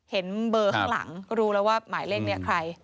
เห็นเบอร์ข้างหลังก็รู้แล้วว่าหมายเลขนี้ใคร